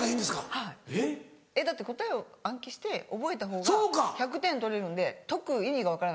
はいだって答えを暗記して覚えたほうが１００点取れるんで解く意味が分からない。